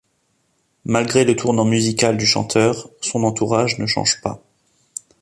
Malgré le tournant musical du chanteur, son entourage ne change pas.